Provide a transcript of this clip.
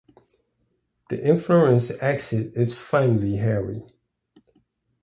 The inflorescence axis is finely hairy.